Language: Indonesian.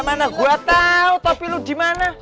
mana gua tau topi lu dimana